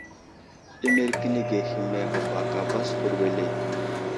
Ɗimirkinige hehme məbaka baskur wele.